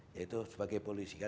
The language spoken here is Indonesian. yaitu sebagai polisi